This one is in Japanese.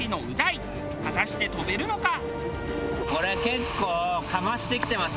果たして飛べるのか？